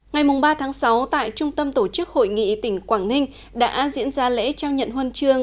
ngày ba sáu tại trung tâm tổ chức hội nghị tỉnh quảng ninh đã diễn ra lễ trao nhận huân chương